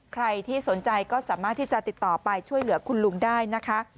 ใครที่สนใจก็สามารถที่จะติดต่อไปช่วยเหลือคุณลุงได้นะคะ